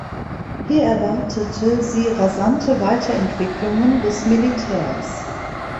Hier erwartete sie rasante Weiterentwicklungen des Militärs.